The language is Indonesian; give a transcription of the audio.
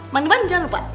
mang liman jangan lupa